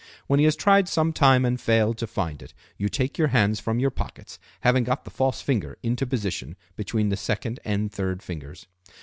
When he has tried some time and failed to find it you take your hands from your pockets, having got the false finger into position between the second and third fingers.